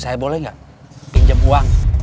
saya boleh gak pinjem uang